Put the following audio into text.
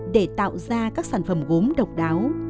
để tạo ra các sản phẩm gốm độc đáo